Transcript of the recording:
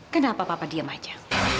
kenapa papa diem aja